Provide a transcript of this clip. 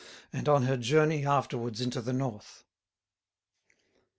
AND ON HER JOURNEY AFTERWARDS INTO THE NORTH.